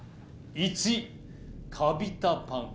「１カビたパン。